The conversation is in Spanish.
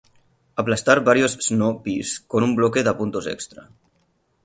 Aplastar varios Sno-Bees con un bloque da puntos extra.